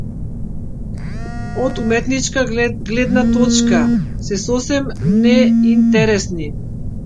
Од уметничка гледна точка се сосем неинтересни.